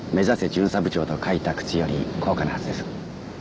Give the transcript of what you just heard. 巡査部長！」と書いた靴より高価なはずです。